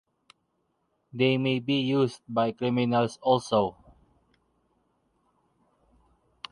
They may be used by criminals also.